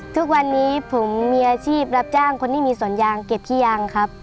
ทุกวันนี้ผมมีอาชีพรับจ้างคนที่มีสวนยางเก็บขี้ยางครับ